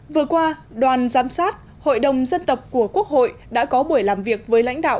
vừa qua đoàn giám sát hội đồng dân tộc của quốc hội đã có buổi làm việc với lãnh đạo